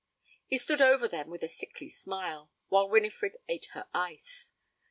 He stood over them with a sickly smile, while Winifred ate her ice.